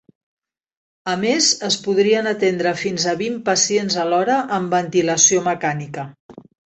A més, es podrien atendre fins a vint pacients alhora amb ventilació mecànica.